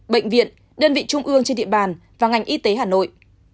bệnh viện đơn vị trung ương trên địa bàn và ngành y tế hà nội